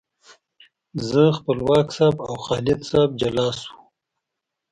زه، خپلواک صاحب او خالد صاحب جلا شوو.